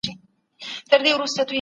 کوچیان د نړۍ په ډیرو سیمو کې ژوند لري.